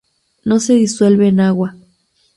No se disuelve en agua.